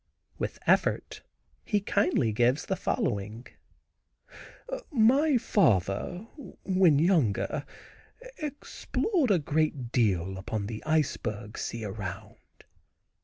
With effort he kindly gives the following: "My father, when younger, explored a great deal upon the iceberg sea around.